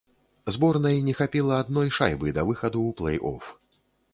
Зборнай не хапіла адной шайбы да выхаду ў плэй-оф.